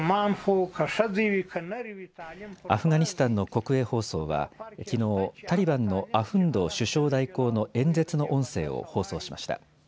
アフガニスタンの国営放送はきのうタリバンのアフンド首相代行の演説の音声を放送しました。